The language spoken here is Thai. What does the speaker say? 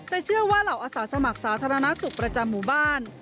แต่เชื่อว่าเหล่าอาสาสมัครสาธารณสุขประจำหมู่บ้าน